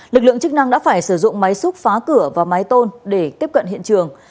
lực lượng chức năng đã phải sử dụng máy xúc phá cửa và mái tôn để tiếp cận hiện trường